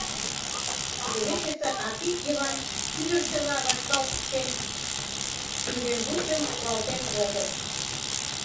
Кудывечыште Арпик Йыван кӱдырчыла рашкалтыктен сӱремвучым пуалтен колтыш.